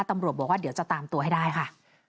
ตำรวจบอกว่าเดี๋ยวจะตามตัวให้ได้ค่ะ